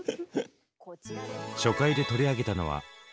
初回で取り上げたのは。